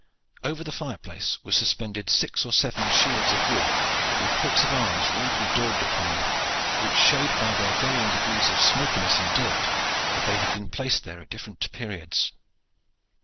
Over the fireplace were suspended six or seven shields of wood, with coats of arms rudely daubed upon them, which showed by their varying degrees of smokiness and dirt that they had been placed there at different periods.